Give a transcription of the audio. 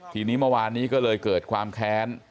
ทีนี้เมื่อวานนี้ก็เลยเกิดความแค้น